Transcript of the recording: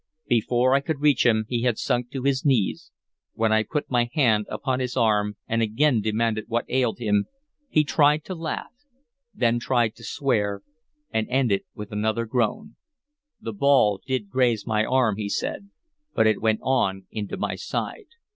Before I could reach him he had sunk to his knees. When I put my hand upon his arm and again demanded what ailed him, he tried to laugh, then tried to swear, and ended with another groan. "The ball did graze my arm," he said, "but it went on into my side.